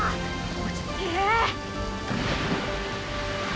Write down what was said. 落ち着け！